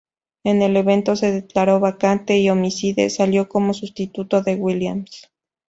En el evento, se declaró vacante y Homicide salió como sustituto de Williams.